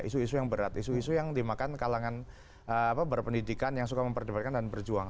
isu isu yang berat isu isu yang dimakan kalangan berpendidikan yang suka memperdebatkan dan berjuang